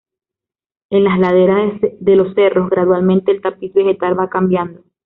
En las laderas de los cerros gradualmente el tapiz vegetal va cambiando.